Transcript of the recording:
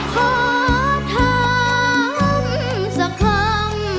ขอทำสักคำ